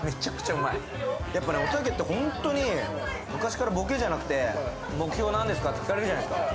やっぱ、おたけって本当に、昔からボケじゃなくて、目標なんですかって聞かれるじゃないですか。